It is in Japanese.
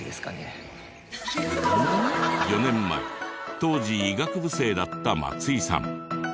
４年前当時医学部生だった松井さん。